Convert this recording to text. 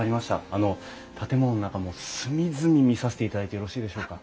あの建物の中も隅々見させていただいてよろしいでしょうか？